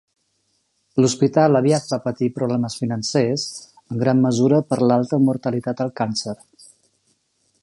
L'hospital aviat va patir problemes financers, en gran mesura per l'alta mortalitat del càncer.